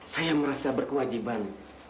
saya merasa berkewajiban